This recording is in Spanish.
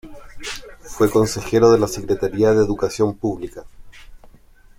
Fue consejero de la Secretaría de Educación Pública.